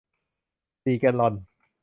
สี่แกลลอน